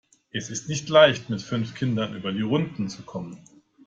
Es ist nicht leicht, mit fünf Kindern über die Runden zu kommen.